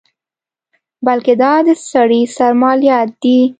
بلکې دا د سړي سر مالیات دي.